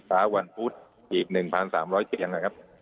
สักวันพุธอีก๑๓๐๐เจียง